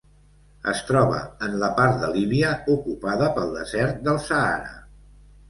Es troba en la part de Líbia ocupada pel desert del Sàhara.